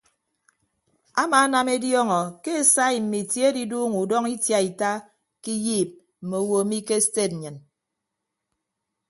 Amaanam ediọọñọ ke esai mme itie adiduuñọ udọñọ itiaita ke iyiip mme owo mi ke sted nnyịn.